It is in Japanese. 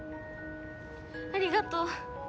ありがとう。